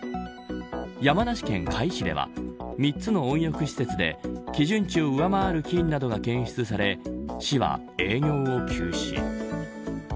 山梨県甲斐市では３つの温浴施設で基準値を上回る菌などが検出され市は営業を休止。